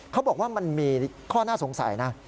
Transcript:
เขาบอกว่ามันมีข้อน่าสงสัยนะ